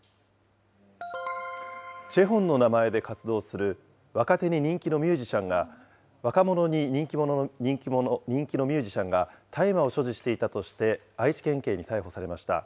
ＣＨＥＨＯＮの名前で活動する若手に人気のミュージシャンが、若者に人気のミュージシャンが大麻を所持していたとして、愛知県警に逮捕されました。